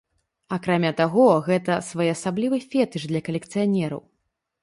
Акрамя таго гэта своеасаблівы фетыш для калекцыянераў.